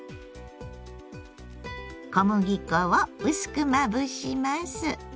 小麦粉を薄くまぶします。